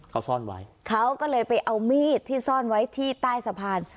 เขาซ่อนไว้เขาก็เลยไปเอามีดที่ซ่อนไว้ที่ใต้สะพาน